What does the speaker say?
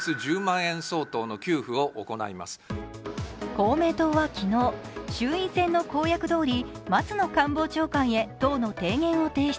公明党は昨日、衆院選の公約どおり松野官房長官へ党の提言を提出。